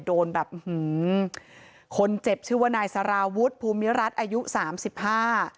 โดนแบบอื้อหือคนเจ็บชื่อว่านายสาราวุฒิภูมิรัติอายุสามสิบห้า